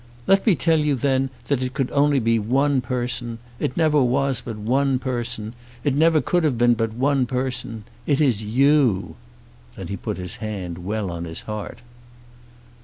"Let me tell you then that it could only be one person. It never was but one person. It never could have been but one person. It is you." Then he put his hand well on his heart.